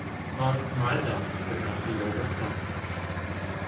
But my doubt would not be overcome.